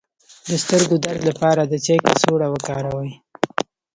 د سترګو درد لپاره د چای کڅوړه وکاروئ